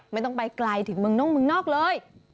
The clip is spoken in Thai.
ไม่ต้องไปไกลถึงเมืองน่งเมืองนอกเลย